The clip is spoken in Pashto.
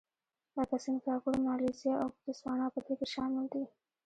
لکه سینګاپور، مالیزیا او بوتسوانا په دې کې شامل دي.